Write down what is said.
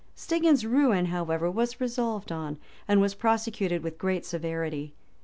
Stigand's ruin, however, was resolved on, and was prosecuted with great severity.